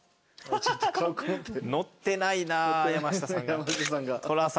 乗ってないな山下さんが。